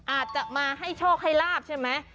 อาจจะมาให้โชคให้ลาบใช่ไหม